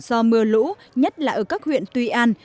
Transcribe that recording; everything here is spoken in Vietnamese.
do mưa lũ nhất là ở các huyện tuy an